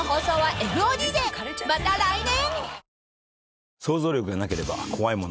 ［また来年！］